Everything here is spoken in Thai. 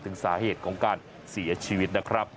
ถึงสาเหตุของการเสียชีวิตนะครับ